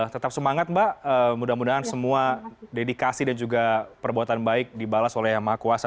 tetap semangat mbak mudah mudahan semua dedikasi dan juga perbuatan baik dibalas oleh yang maha kuasa